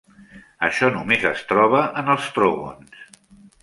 Això només es troba en els trogons.